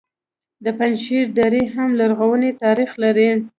د پنجشیر درې هم لرغونی تاریخ لري